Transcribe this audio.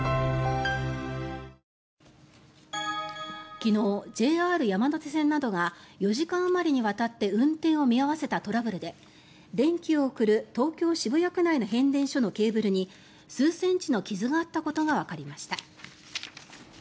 昨日、ＪＲ山手線などが４時間あまりにわたって運転を見合わせたトラブルで電気を送る東京・渋谷区内の変電所のケーブルに数センチの傷があったことがわかりました。